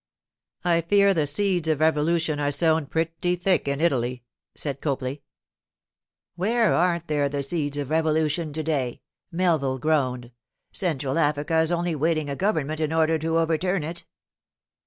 'I fear the seeds of revolution are sown pretty thick in Italy,' said Copley. 'Where aren't there the seeds of revolution to day?' Melville groaned. 'Central Africa is only waiting a government in order to overturn it.